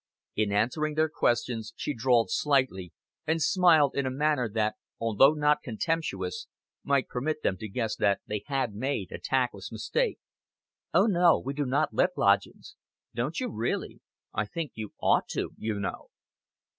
In answering their questions she drawled slightly, and smiled in a manner that, although not contemptuous, might permit them to guess that they had made a tactless mistake. "Oh, no, we do not let lodgings." "Don't you really? I think you ought to, you know."